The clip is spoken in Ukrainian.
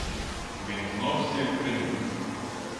Він знов сів при ній.